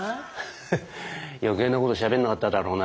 ヘッ余計なことしゃべんなかっただろうな？